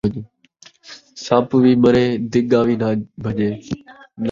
سپ وی مرے ، دِڳا وی ناں بھڄے